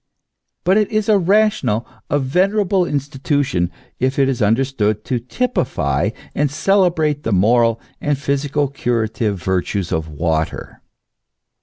But it is a rational, a venerable institution, if it is under stood to typify and celebrate the moral and physical curative virtues of water.